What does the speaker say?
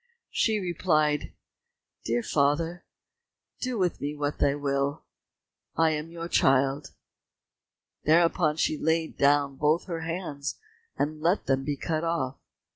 She replied, "Dear father, do with me what you will, I am your child." Thereupon she laid down both her hands, and let them be cut off.